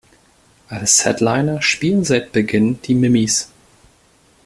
Als Headliner spielen seit Beginn Die Mimmi´s.